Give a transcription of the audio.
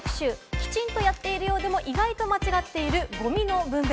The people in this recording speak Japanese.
きちんとやっているようでも意外と間違っている、ゴミの分別。